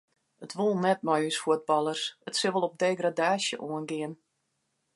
It wol net mei ús fuotballers, it sil wol op degradaasje oangean.